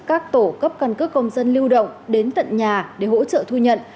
các tổ cấp căn cước công dân lưu động đến tận nhà để hỗ trợ thu nhận